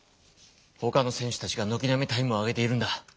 ほかの選手たちがのきなみタイムを上げているんだ。